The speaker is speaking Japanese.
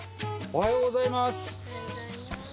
おはようございます。